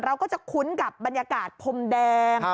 เราก็จะคุ้นกับบรรยากาศพรมแดง